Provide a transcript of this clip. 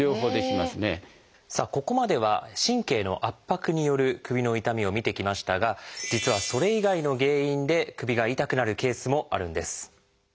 さあここまでは神経の圧迫による首の痛みを見てきましたが実はそれ以外の原因で首が痛くなるケースもあるんです。